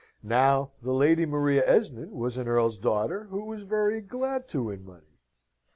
Now, the Lady Maria Esmond was an earl's daughter who was very glad to win money.